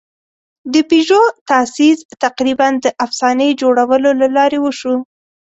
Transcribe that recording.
د پيژو تاسیس تقریباً د افسانې جوړولو له لارې وشو.